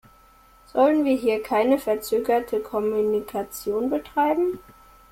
Sollen wir hier keine verzögerte Kommunikation betreiben?